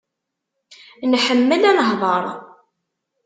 Nḥemmel ad nehḍer.